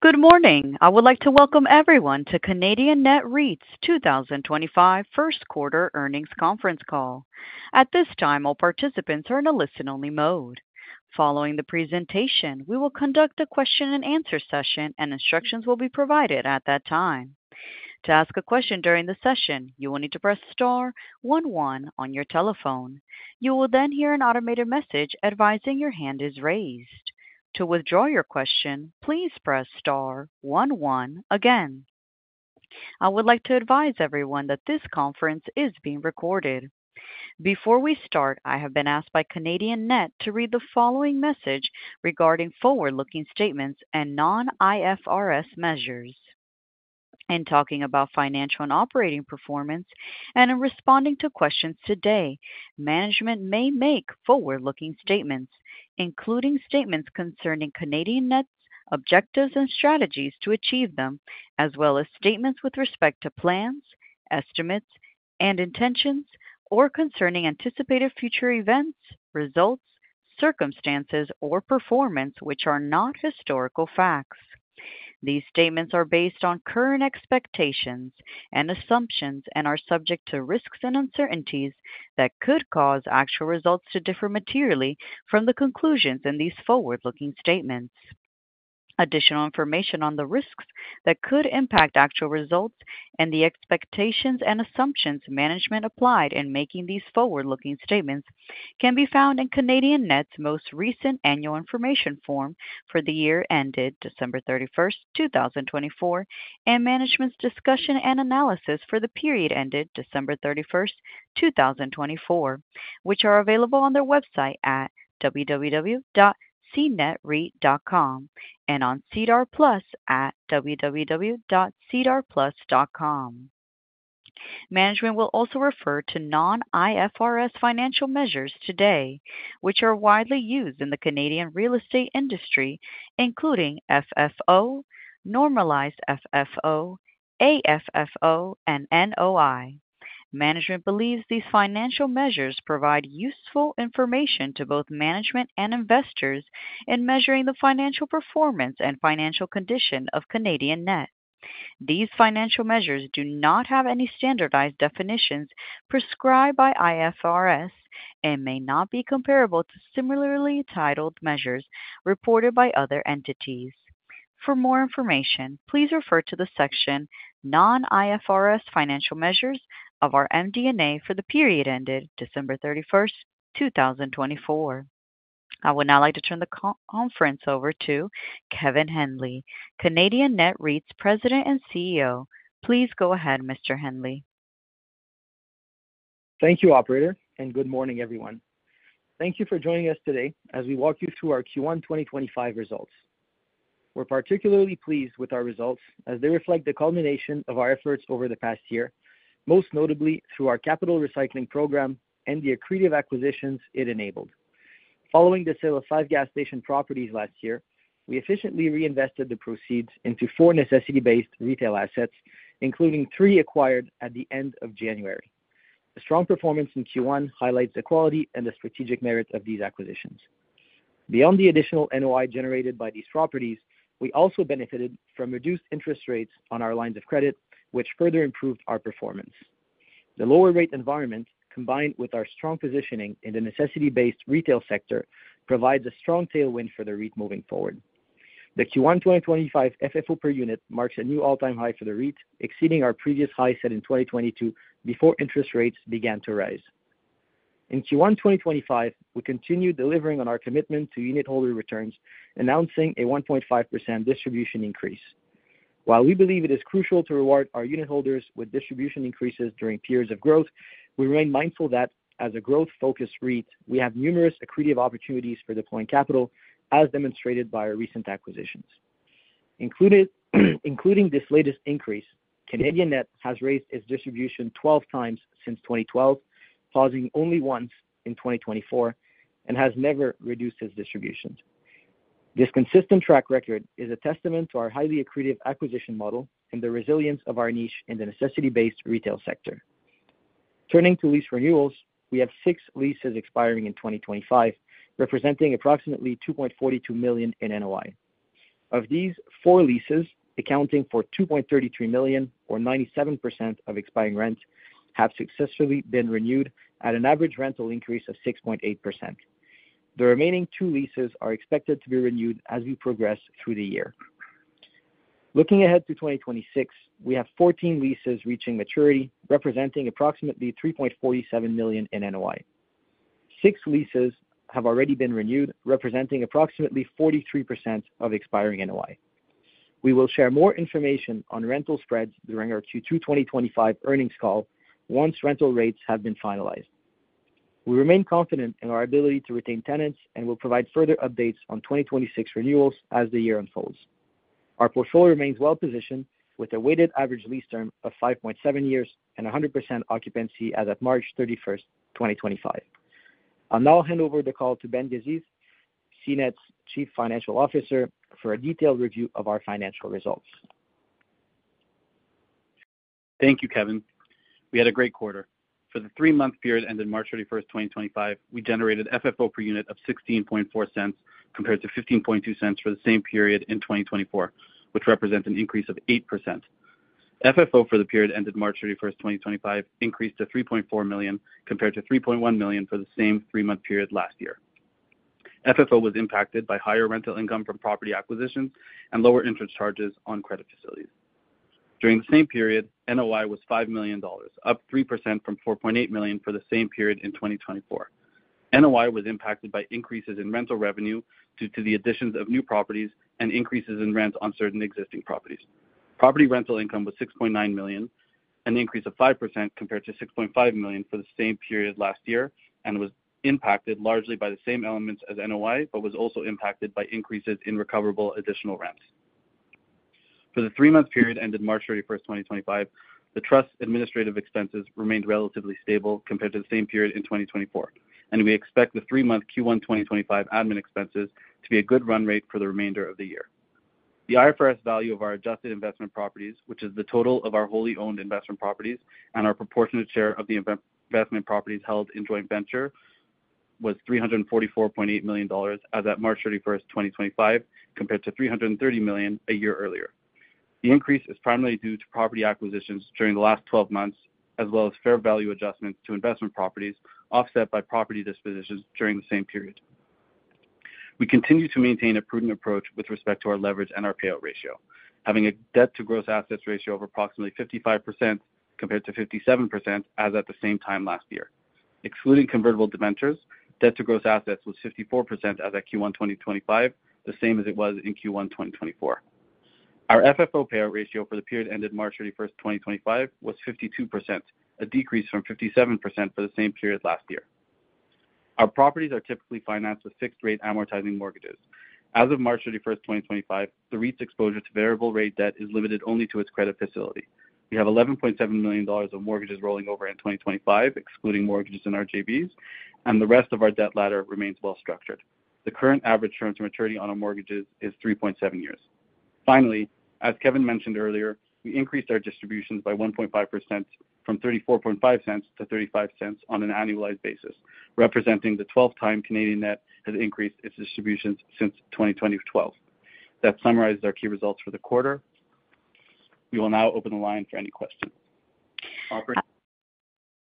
Good morning. I would like to welcome everyone to Canadian Net REIT's 2025 First Quarter Earnings Conference Call. At this time, all participants are in a listen-only mode. Following the presentation, we will conduct a question-and-answer session, and instructions will be provided at that time. To ask a question during the session, you will need to press star one one on your telephone. You will then hear an automated message advising your hand is raised. To withdraw your question, please press star one one again. I would like to advise everyone that this conference is being recorded. Before we start, I have been asked by Canadian Net to read the following message regarding forward-looking statements and non-IFRS measures. In talking about financial and operating performance and in responding to questions today, management may make forward-looking statements, including statements concerning Canadian Net's objectives and strategies to achieve them, as well as statements with respect to plans, estimates, and intentions, or concerning anticipated future events, results, circumstances, or performance which are not historical facts. These statements are based on current expectations and assumptions and are subject to risks and uncertainties that could cause actual results to differ materially from the conclusions in these forward-looking statements. Additional information on the risks that could impact actual results and the expectations and assumptions management applied in making these forward-looking statements can be found in Canadian Net's most recent annual information form for the year ended December 31, 2024, and management's discussion and analysis for the period ended December 31, 2024, which are available on their website at www.cnetreit.com and on SEDAR+ at www.sedarplus.com. Management will also refer to non-IFRS financial measures today, which are widely used in the Canadian real estate industry, including FFO, normalized FFO, AFFO, and NOI. Management believes these financial measures provide useful information to both management and investors in measuring the financial performance and financial condition of Canadian Net. These financial measures do not have any standardized definitions prescribed by IFRS and may not be comparable to similarly titled measures reported by other entities. For more information, please refer to the section Non-IFRS Financial Measures of our MD&A for the period ended December 31, 2024. I would now like to turn the conference over to Kevin Henley, Canadian Net REIT's President and CEO. Please go ahead, Mr. Henley. Thank you, Operator, and good morning, everyone. Thank you for joining us today as we walk you through our Q1 2025 results. We're particularly pleased with our results as they reflect the culmination of our efforts over the past year, most notably through our capital recycling program and the accretive acquisitions it enabled. Following the sale of five gas station properties last year, we efficiently reinvested the proceeds into four necessity-based retail assets, including three acquired at the end of January. The strong performance in Q1 highlights the quality and the strategic merit of these acquisitions. Beyond the additional NOI generated by these properties, we also benefited from reduced interest rates on our lines of credit, which further improved our performance. The lower-rate environment, combined with our strong positioning in the necessity-based retail sector, provides a strong tailwind for the REIT moving forward. The Q1 2025 FFO per unit marks a new all-time high for the REIT, exceeding our previous high set in 2022 before interest rates began to rise. In Q1 2025, we continue delivering on our commitment to unit holder returns, announcing a 1.5% distribution increase. While we believe it is crucial to reward our unit holders with distribution increases during periods of growth, we remain mindful that, as a growth-focused REIT, we have numerous accretive opportunities for deploying capital, as demonstrated by our recent acquisitions. Including this latest increase, Canadian Net has raised its distribution 12 times since 2012, pausing only once in 2024, and has never reduced its distributions. This consistent track record is a testament to our highly accretive acquisition model and the resilience of our niche in the necessity-based retail sector. Turning to lease renewals, we have six leases expiring in 2025, representing approximately 2.42 million in NOI. Of these, four leases, accounting for 2.33 million, or 97% of expiring rent, have successfully been renewed at an average rental increase of 6.8%. The remaining two leases are expected to be renewed as we progress through the year. Looking ahead to 2026, we have 14 leases reaching maturity, representing approximately 3.47 million in NOI. Six leases have already been renewed, representing approximately 43% of expiring NOI. We will share more information on rental spreads during our Q2 2025 earnings call once rental rates have been finalized. We remain confident in our ability to retain tenants and will provide further updates on 2026 renewals as the year unfolds. Our portfolio remains well-positioned with a weighted average lease term of 5.7 years and 100% occupancy as of March 31, 2025. I'll now hand over the call to Ben Gazith, Canadian Net Real Estate Investment Trust's Chief Financial Officer, for a detailed review of our financial results. Thank you, Kevin. We had a great quarter. For the three-month period ended March 31st, 2025, we generated FFO per unit of 0.164 compared to 0.152 for the same period in 2024, which represents an increase of 8%. FFO for the period ended March 31st, 2025, increased to 3.4 million compared to 3.1 million for the same three-month period last year. FFO was impacted by higher rental income from property acquisitions and lower interest charges on credit facilities. During the same period, NOI was 5 million dollars, up 3% from 4.8 million for the same period in 2024. NOI was impacted by increases in rental revenue due to the additions of new properties and increases in rent on certain existing properties. Property rental income was 6.9 million, an increase of 5% compared to 6.5 million for the same period last year, and was impacted largely by the same elements as NOI, but was also impacted by increases in recoverable additional rents. For the three-month period ended March 31, 2025, the trust's administrative expenses remained relatively stable compared to the same period in 2024, and we expect the three-month Q1 2025 admin expenses to be a good run rate for the remainder of the year. The IFRS value of our adjusted investment properties, which is the total of our wholly owned investment properties and our proportionate share of the investment properties held in joint venture, was 344.8 million dollars as at March 31, 2025, compared to 330 million a year earlier. The increase is primarily due to property acquisitions during the last 12 months, as well as fair value adjustments to investment properties offset by property dispositions during the same period. We continue to maintain a prudent approach with respect to our leverage and our payout ratio, having a debt-to-gross assets ratio of approximately 55% compared to 57% as at the same time last year. Excluding convertible debentures, debt-to-gross assets was 54% as at Q1 2025, the same as it was in Q1 2024. Our FFO payout ratio for the period ended March 31, 2025, was 52%, a decrease from 57% for the same period last year. Our properties are typically financed with fixed-rate amortizing mortgages. As of March 31, 2025, the REIT's exposure to variable-rate debt is limited only to its credit facility. We have 11.7 million dollars of mortgages rolling over in 2025, excluding mortgages in our JVs, and the rest of our debt ladder remains well-structured. The current average term to maturity on our mortgages is 3.7 years. Finally, as Kevin mentioned earlier, we increased our distributions by 1.5% from 0.345 to 0.35 on an annualized basis, representing the 12th time Canadian Net Real Estate Investment Trust has increased its distributions since 2020-12. That summarizes our key results for the quarter. We will now open the line for any questions.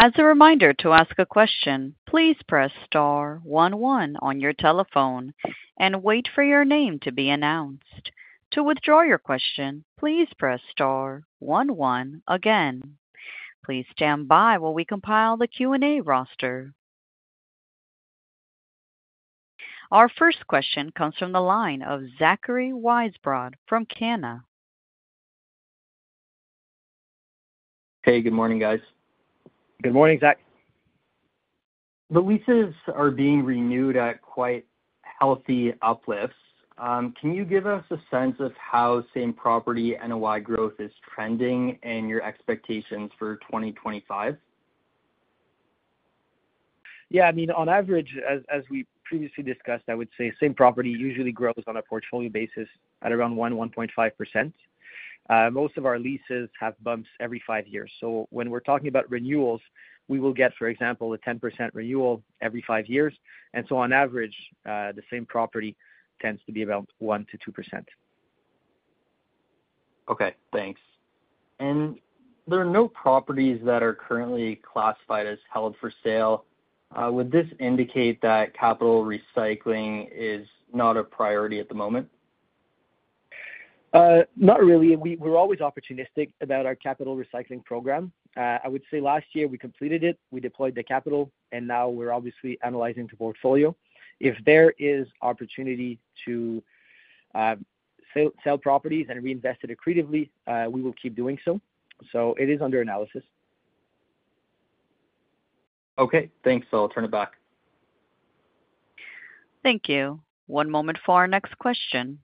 As a reminder to ask a question, please press star one one on your telephone and wait for your name to be announced. To withdraw your question, please press star one one again. Please stand by while we compile the Q&A roster. Our first question comes from the line of Zachary Weisbrod from Cana. Hey, good morning, guys. Good morning, Zach. The leases are being renewed at quite healthy uplifts. Can you give us a sense of how same property NOI growth is trending and your expectations for 2025? Yeah, I mean, on average, as we previously discussed, I would say same property usually grows on a portfolio basis at around 1-1.5%. Most of our leases have bumps every five years. When we're talking about renewals, we will get, for example, a 10% renewal every five years. On average, the same property tends to be about 1-2%. Okay, thanks. There are no properties that are currently classified as held for sale. Would this indicate that capital recycling is not a priority at the moment? Not really. We're always opportunistic about our capital recycling program. I would say last year we completed it. We deployed the capital, and now we're obviously analyzing the portfolio. If there is opportunity to sell properties and reinvest it accretively, we will keep doing so. It is under analysis. Okay, thanks. I'll turn it back. Thank you. One moment for our next question.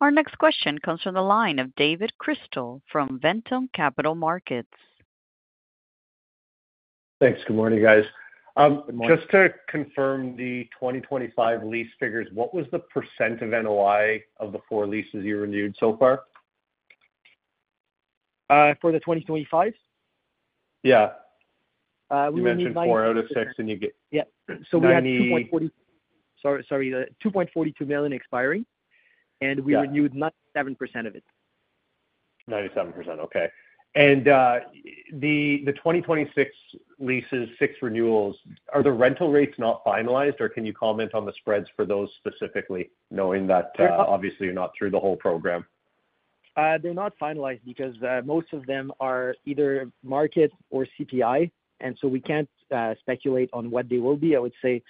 Our next question comes from the line of David Crystal from Ventum Capital Markets. Thanks. Good morning, guys. Good morning. Just to confirm the 2025 lease figures, what was the % of NOI of the four leases you renewed so far? For the 2025? Yeah. You mentioned 406, and you get. Yeah. We have 2.42. Sorry. Sorry. Sorry. 2.42 million expiring, and we renewed 97% of it. 97%. Okay. And the 2026 leases, six renewals, are the rental rates not finalized, or can you comment on the spreads for those specifically, knowing that obviously you're not through the whole program? They're not finalized because most of them are either market or CPI, and so we can't speculate on what they will be. I would say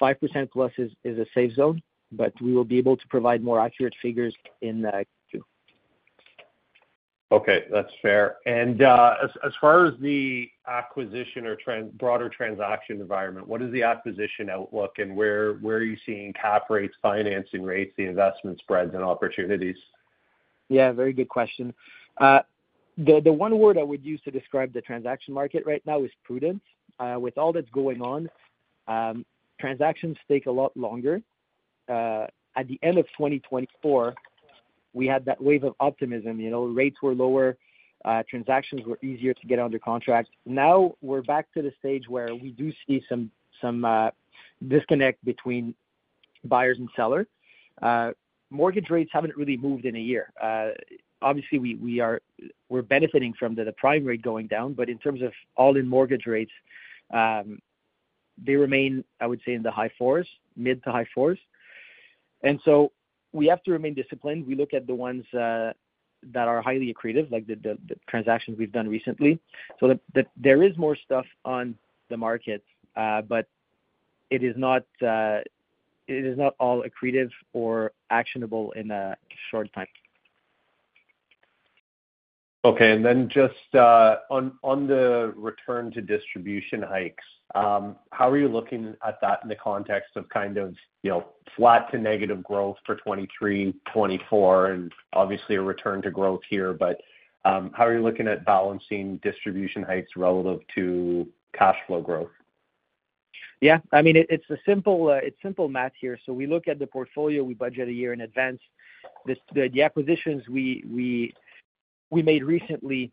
5% plus is a safe zone, but we will be able to provide more accurate figures in Q2. Okay, that's fair. As far as the acquisition or broader transaction environment, what is the acquisition outlook, and where are you seeing cap rates, financing rates, the investment spreads, and opportunities? Yeah, very good question. The one word I would use to describe the transaction market right now is prudent. With all that's going on, transactions take a lot longer. At the end of 2024, we had that wave of optimism. Rates were lower. Transactions were easier to get under contract. Now we're back to the stage where we do see some disconnect between buyers and sellers. Mortgage rates have not really moved in a year. Obviously, we're benefiting from the prime rate going down, but in terms of all-in mortgage rates, they remain, I would say, in the high 4s, mid to high 4s. We have to remain disciplined. We look at the ones that are highly accretive, like the transactions we've done recently. There is more stuff on the market, but it is not all accretive or actionable in a short time. Okay. And then just on the return to distribution hikes, how are you looking at that in the context of kind of flat to negative growth for 2023, 2024, and obviously a return to growth here? How are you looking at balancing distribution hikes relative to cash flow growth? Yeah. I mean, it's a simple math here. So we look at the portfolio. We budget a year in advance. The acquisitions we made recently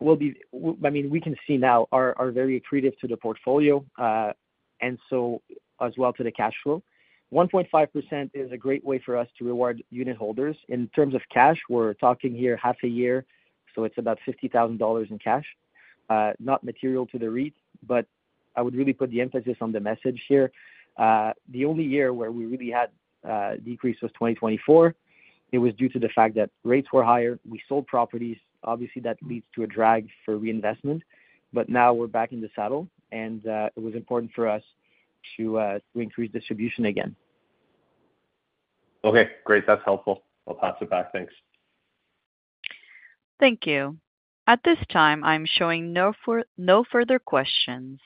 will be—I mean, we can see now are very accretive to the portfolio, and so as well to the cash flow. 1.5% is a great way for us to reward unit holders. In terms of cash, we're talking here half a year, so it's about 50,000 dollars in cash. Not material to the REIT, but I would really put the emphasis on the message here. The only year where we really had a decrease was 2024. It was due to the fact that rates were higher. We sold properties. Obviously, that leads to a drag for reinvestment, but now we're back in the saddle, and it was important for us to increase distribution again. Okay. Great. That's helpful. I'll pass it back. Thanks. Thank you. At this time, I'm showing no further questions.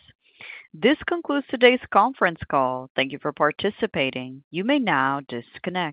This concludes today's conference call. Thank you for participating. You may now disconnect.